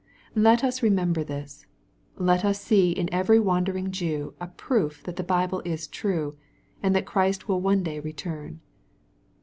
^ Let us remember this.. Let us see in every ^ndering Jew a proof that the Bible is true, and that Chri st w ill one day return.